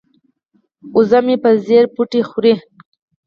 وزه مې په ځیر بوټي خوري.